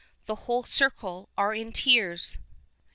The whole circle arc in tears